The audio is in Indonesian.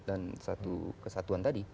dan satu kesatuan tadi